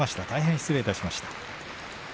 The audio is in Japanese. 大変失礼いたしました。